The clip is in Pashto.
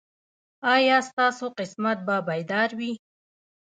ایا ستاسو قسمت به بیدار وي؟